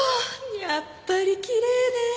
やっぱりきれいね！